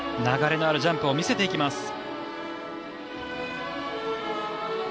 流れのあるジャンプを見せていきます。